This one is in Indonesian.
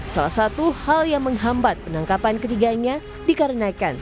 salah satu hal yang menghambat penangkapan ketiganya dikarenakan